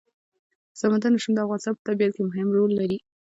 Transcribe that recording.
سمندر نه شتون د افغانستان په طبیعت کې مهم رول لري.